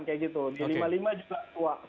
kayak gitu di lima puluh lima juga wah